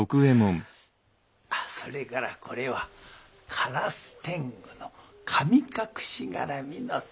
それからこれは烏天狗の神隠し絡みの捕り物だ。